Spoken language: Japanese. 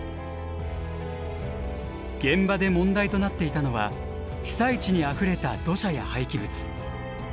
現場で問題となっていたのは被災地にあふれた土砂や廃棄物。